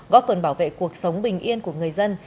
góp phần bảo vệ cuộc sống bình yên của người dân